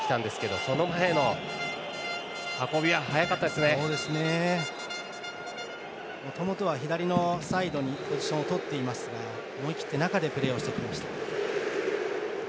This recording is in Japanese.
もともとは、左のサイドにポジションをとっていますが思い切って中でプレーをしてきました。